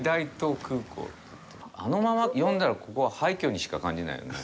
あのまま読んだら、ここは廃墟にしか感じないよね？